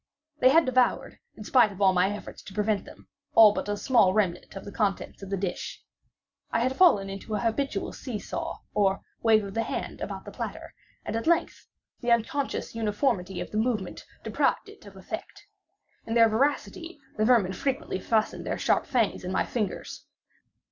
They had devoured, in spite of all my efforts to prevent them, all but a small remnant of the contents of the dish. I had fallen into an habitual see saw, or wave of the hand about the platter; and, at length, the unconscious uniformity of the movement deprived it of effect. In their voracity the vermin frequently fastened their sharp fangs in my fingers.